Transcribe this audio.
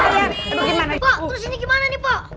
pak terus ini gimana nih pak